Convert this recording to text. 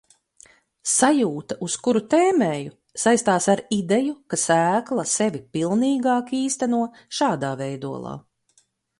Sajūta, uz kuru tēmēju, saistās ar ideju, ka sēkla sevi pilnīgāk īsteno šādā veidolā.